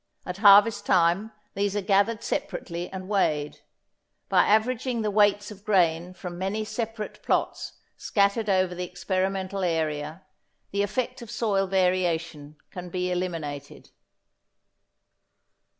At harvest time these are gathered separately and weighed. By averaging the weights of grain from many separate plots scattered over the experimental area the effect of soil variation can be eliminated.